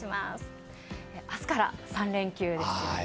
明日から３連休ですよね。